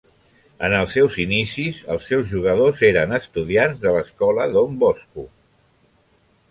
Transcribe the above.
En els seus inicis, els seus jugadors eren estudiants de l'escola Dom Bosco.